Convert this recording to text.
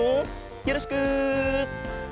よろしく。